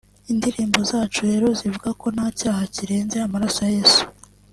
Indirimbo zacu rero zivuga ko nta cyaha kirenze amaraso ya Yesu